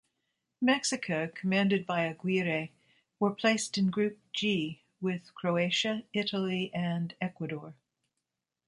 Mexico, commanded by Aguirre, were placed in Group G with Croatia, Italy, and Ecuador.